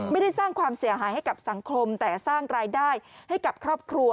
ไม่ได้สร้างความเสียหายให้กับสังคมแต่สร้างรายได้ให้กับครอบครัว